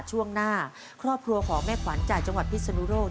ช่วงหน้าครอบครัวของแม่ขวัญจากจังหวัดพิศนุโลก